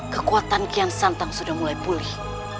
kekuatan kian santang sudah mulai pulih